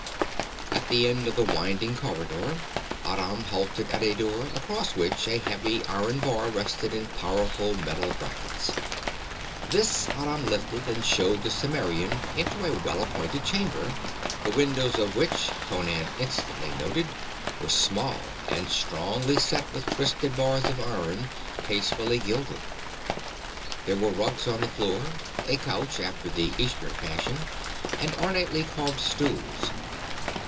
At the end of the winding corridor Aram halted at a door, across which a heavy iron bar rested in powerful metal brackets. This Aram lifted and showed the Cimmerian into a well appointed chamber, the windows of which, Conan instantly noted, were small and strongly set with twisted bars of iron, tastefully gilded. There were rugs on the floor, a couch, after the Eastern fashion, and ornately carved stools.